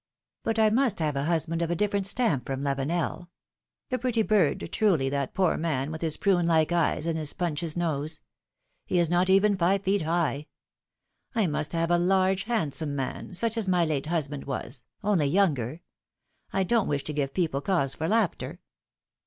But I must have a husband of a different stamp from Lavenel. A pretty bird, truly, that poor man, with his prune like eyes and his Punch's nose! He is not even five feet high ! I must have a large, handsome man, such as my late husband was, only younger, I don't wish to give people cause for laughter